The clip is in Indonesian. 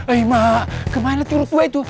eh mak kemana curut gue itu